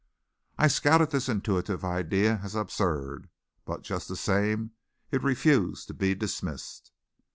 I scouted this intuitive idea as absurd; but, just the same, it refused to be dismissed.